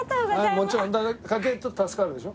もちろん家計ちょっと助かるでしょ？